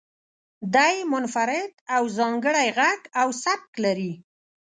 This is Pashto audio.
دی منفرد او ځانګړی غږ او سبک لري.